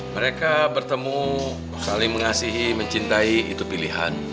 mereka bertemu saling mengasihi mencintai itu pilihan